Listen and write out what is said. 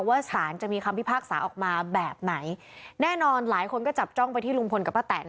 สารจะมีคำพิพากษาออกมาแบบไหนแน่นอนหลายคนก็จับจ้องไปที่ลุงพลกับป้าแตน